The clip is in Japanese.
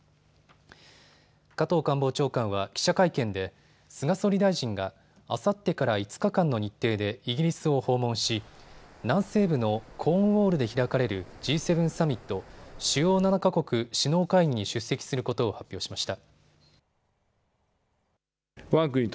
加藤官房長官は記者会見で菅総理大臣があさってから５日間の日程でイギリスを訪問し南西部のコーンウォールで開かれるＧ７サミット・主要７か国首脳会議に出席することを発表しました。